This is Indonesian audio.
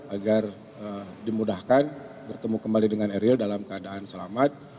agar dimudahkan bertemu kembali dengan eril dalam keadaan selamat